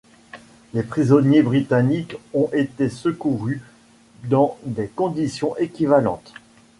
Les prisonniers britanniques ont été secourus dans des conditions équivalentes.